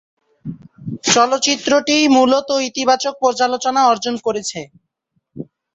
চলচ্চিত্রটি মূলত ইতিবাচক পর্যালোচনা অর্জন করেছে।